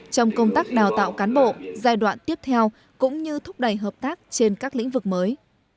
trong công tác đào tạo cán bộ giai đoạn tiếp theo cũng như thúc đẩy hợp tác trên các lĩnh vực mới